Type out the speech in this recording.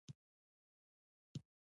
کله چې کوم پاچا ښه مشاورین ولري.